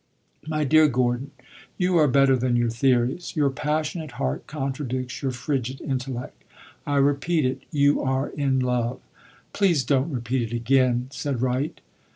"My dear Gordon, you are better than your theories. Your passionate heart contradicts your frigid intellect. I repeat it you are in love." "Please don't repeat it again," said Wright.